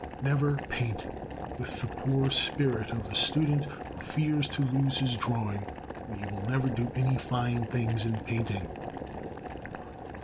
Never paint with the poor spirit of the student who fears to lose his drawing, or you will never do any fine things in painting.